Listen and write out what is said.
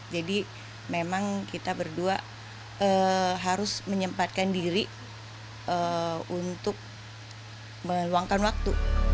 jadi memang kita berdua harus menyempatkan diri untuk meluangkan waktu